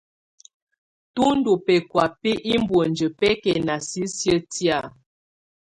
Tù ndù bɛkɔ̀á bi iboŋdiǝ́ bɛkɛna sisiǝ́ tɛ̀á.